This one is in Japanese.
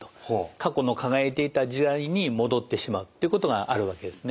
過去の輝いていた時代に戻ってしまうっていうことがあるわけですね。